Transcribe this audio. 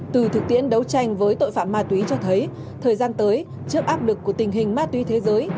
từ thực tiễn đấu tranh với tội phạm ma túy cho thấy thời gian tới trước áp lực của tình hình ma túy thế giới